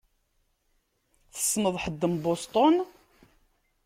Tessneḍ ḥedd n Boston?